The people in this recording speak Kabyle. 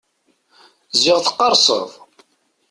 Ziɣ teqqerseḍ!